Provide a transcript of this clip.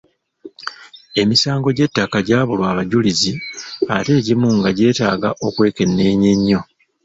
Emisango gy'ettaka gyabulwa abajulizi ate egimu nga gyeetaaga okwekenneenya ennyo.